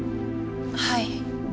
はい。